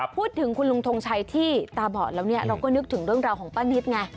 พูดถึงคุณลุงทงชัยที่ตาบอดแล้วเนี่ยเราก็นึกถึงเรื่องราวของป้านิตไง